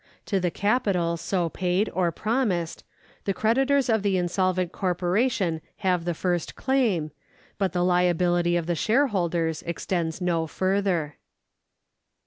To the capital so paid or promised, the creditors of the insolvent corporation have the first claim, but the liability of the shareholders extends no further.